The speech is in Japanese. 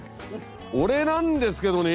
俺なんですけどね。